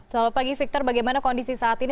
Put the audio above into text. selamat pagi victor bagaimana kondisi saat ini